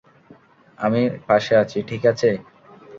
আমি পাশে আছি, ঠিক আছে?